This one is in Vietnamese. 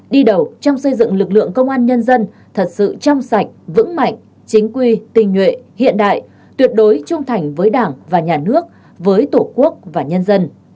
đi đầu trong xây dựng lực lượng công an nhân dân thật sự trong sạch vững mạnh chính quy tình nhuệ hiện đại tuyệt đối trung thành với đảng và nhà nước với tổ quốc và nhân dân